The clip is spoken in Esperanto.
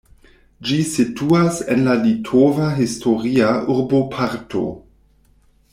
Ĝi situas en la litova historia urboparto.